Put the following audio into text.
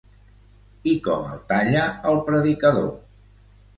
I com el talla el predicador?